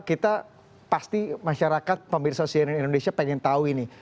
kita pasti masyarakat pemirsa cnn indonesia pengen tahu ini